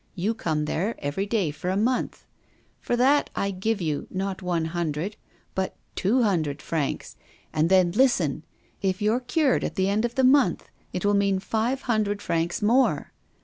You come there every day for a month. For that I give you, not one hundred, but two hundred francs. And then, listen! if you're cured at the end of the month, it will mean five hundred francs more.